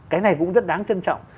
cái này cũng rất đáng trân trọng